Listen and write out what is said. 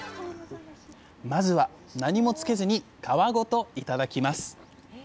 まずは何もつけずに皮ごと頂きます！